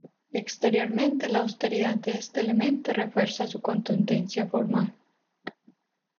Exteriormente la austeridad de este elemento refuerza su contundencia formal.